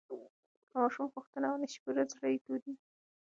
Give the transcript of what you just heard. که ماشوم غوښتنه ونه شي پوره، زړه یې تورېږي.